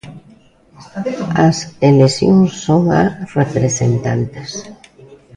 As eleccións son a representantes.